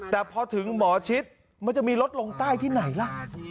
แต่พอถึงหมอชิดมันจะมีลดลงใต้ที่ไหนล่ะ